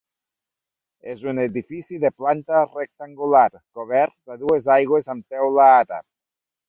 És un edifici de planta rectangular, cobert a dues aigües amb teula àrab.